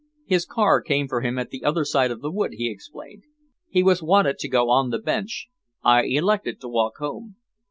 "His car came for him at the other side of the wood," he explained. "He was wanted to go on the Bench. I elected to walk home."